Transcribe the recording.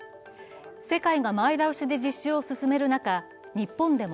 世界が前倒しで実施を進める中、日本でも